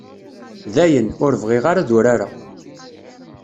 Dayen, ur bɣiɣ ara ad urareɣ.